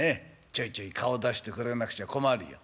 ちょいちょい顔出してくれなくちゃ困るよ」。